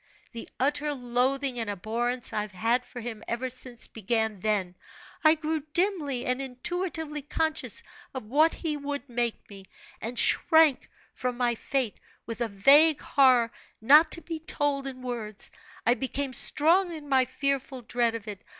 The utter loathing and abhorrence I have had for him ever since, began then I grew dimly and intuitively conscious of what he would make me, and shrank from my fate with a vague horror not to be told in words. I became strong in my fearful dread of it.